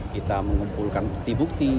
kita mengumpulkan peti bukti